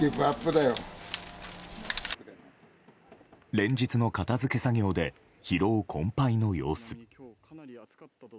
連日の片付け作業で疲労困憊の様子。